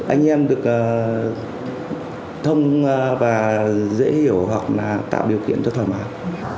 anh em được thông và dễ hiểu hoặc là tạo điều kiện cho thoải mái